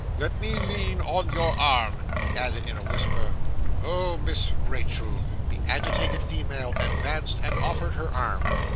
Let me lean on your arm.' He added, in a whisper, 'Oh, Miss Rachael!' The agitated female advanced, and offered her arm.